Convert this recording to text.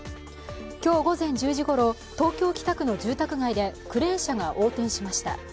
今日午前１０時ごろ、東京・北区の住宅街でクレーン車が横転しました。